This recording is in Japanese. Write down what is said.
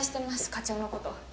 課長のこと。